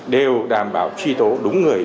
đều đảm bảo truy tố đúng người